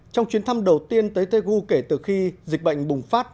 trong chuyến thăm đầu tiên tới tây gu kể từ khi dịch bệnh bùng phát